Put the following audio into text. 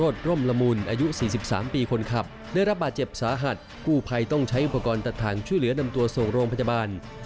ตัดถังช่วยเหลือนำตัวส่งโรงพยาบาล